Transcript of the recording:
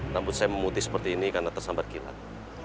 namun saya memutih seperti ini karena tersambar kilat